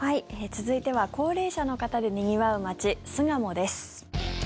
続いては、高齢者の方でにぎわう街、巣鴨です。